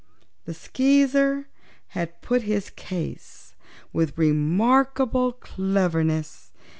The Skeezer had put his case with remarkable cleverness.